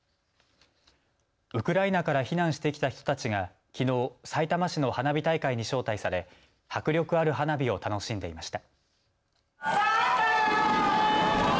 ウクライナから避難してきた人たちがきのう、さいたま市の花火大会に招待され迫力ある花火を楽しんでいました。